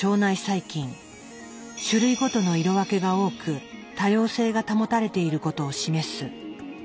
種類ごとの色分けが多く多様性が保たれていることを示す。